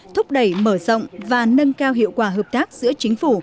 thúc đẩy mở rộng và nâng cao hiệu quả hợp tác giữa chính phủ